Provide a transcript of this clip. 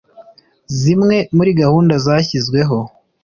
zimwe muri gahunda zashyizweho